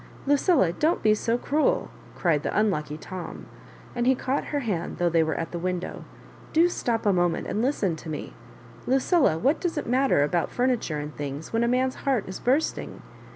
*' Lucilla, don't be so cruel !'* cried the unlucky Tom, and he caught her hand though Ihey were at the window; '*do stop a moment and listen to me. Lucilla I what does it matter about fur niture and things when a man's heart is burst ing?"